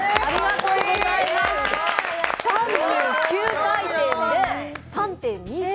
３９回転で３．２１